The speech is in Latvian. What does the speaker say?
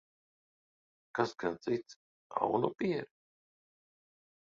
Kas gan cits, aunapiere?